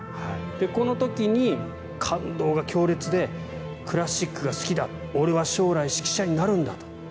この時に感動が強烈でクラシックが好きだ俺は将来、指揮者になるんだと。